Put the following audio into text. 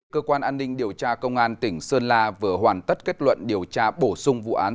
cơ quan an ninh điều tra công an tỉnh sơn la vừa hoàn tất kết luận điều tra bổ sung vụ án